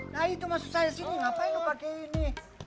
nah itu maksud saya sini ngapain lu pake ini